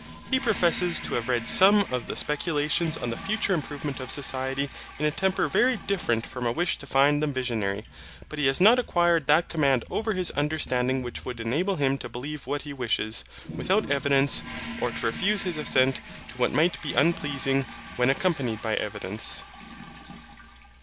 He professes to have read some of the speculations on the future improvement of society in a temper very different from a wish to find them visionary, but he has not acquired that command over his understanding which would enable him to believe what he wishes, without evidence, or to refuse his assent to what might be unpleasing, when accompanied with evidence.